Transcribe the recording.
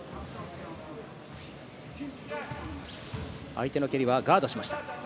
相手の蹴りはガードしました。